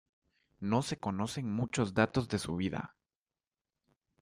No se conocen muchos datos de su vida.